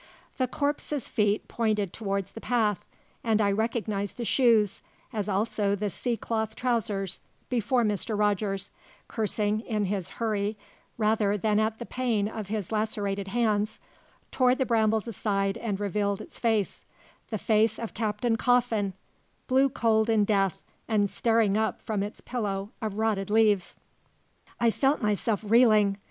The corpse's feet pointed towards the path, and I recognized the shoes, as also the sea cloth trousers, before Mr. Rogers cursing in his hurry rather than at the pain of his lacerated hands tore the brambles aside and revealed its face the face of Captain Coffin, blue cold in death and staring up from its pillow of rotted leaves. I felt myself reeling.